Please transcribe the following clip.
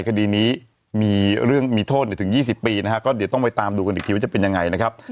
คดีนี้มีเรื่องมีโทษถึง๒๐ปีนะฮะก็เดี๋ยวต้องไปตามดูกันอีกทีว่าจะเป็นยังไงนะครับ